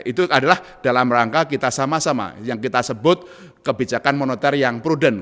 itu adalah dalam rangka kita sama sama yang kita sebut kebijakan moneter yang prudent